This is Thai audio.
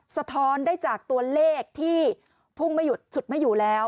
สะท้อนได้จากตัวเลขที่พุ่งชุดไม่อยู่แล้ว